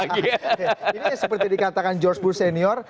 ini seperti dikatakan george bush senior